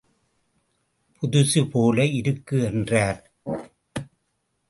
புதுசு போல இருக்கு என்றார்.